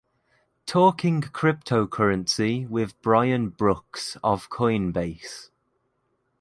Talking Cryptocurrency with Brian Brooks of Coinbase.